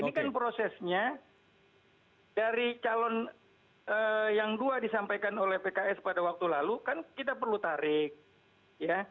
ini kan prosesnya dari calon yang dua disampaikan oleh pks pada waktu lalu kan kita perlu tarik ya